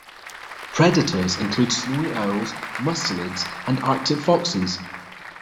Predators include snowy owls, mustelids, and Arctic foxes.